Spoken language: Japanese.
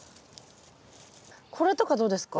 これとかどうですか？